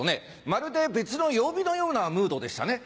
まるで別の曜日のようなムードでしたね。